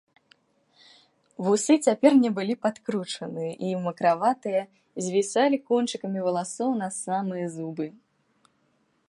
Вусы цяпер не былі падкручаны і, макраватыя, звісалі кончыкамі валасоў на самыя зубы.